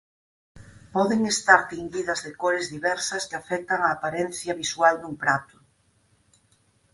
Poden estar tinguidas de cores diversas que afectan á aparencia visual dun prato.